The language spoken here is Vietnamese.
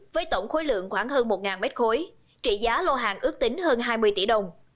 với tổng khối lượng khoảng hơn một mét khối trị giá lô hàng ước tính hơn hai mươi tỷ đồng